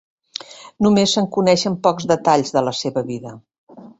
Només se'n coneixen pocs detalls de la seva vida.